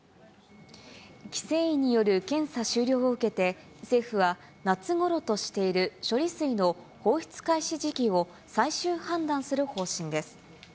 規制委による検査終了を受けて、政府は、夏ごろとしている処理水の放出開始時期を最終判断する方針です。